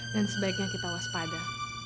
dan sebaiknya kita waspada